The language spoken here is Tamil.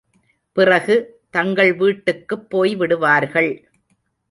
பிறகு தங்கள் வீட்டுக்குப் போய்விடுவார்கள்.